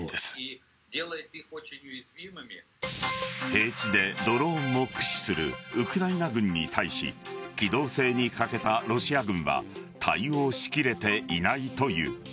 平地でドローンを駆使するウクライナ軍に対し機動性に欠けたロシア軍は対応しきれていないという。